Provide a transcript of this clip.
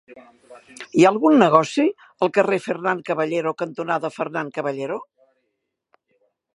Hi ha algun negoci al carrer Fernán Caballero cantonada Fernán Caballero?